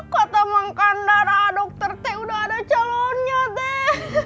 kata mengkandara dokter teh udah ada calonnya teh